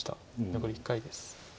残り１回です。